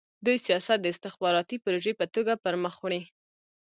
دوی سیاست د استخباراتي پروژې په توګه پرمخ وړي.